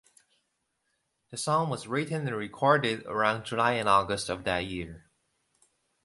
The song was written and recorded around July and August of that year.